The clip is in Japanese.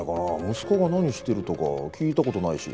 息子が何してるとか聞いたことないし。